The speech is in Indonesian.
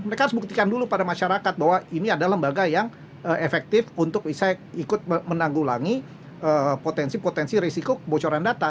mereka harus buktikan dulu pada masyarakat bahwa ini adalah lembaga yang efektif untuk bisa ikut menanggulangi potensi potensi risiko kebocoran data